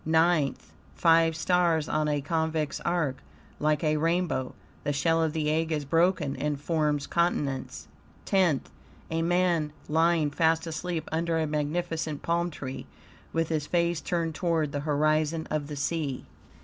NINTH Five stars on a convex arc, like a rainbow; the shell of the egg is broken and forms continents. TENTH A man lying fast asleep under a magnificent palm tree, with his face turned toward the horizon of the sea.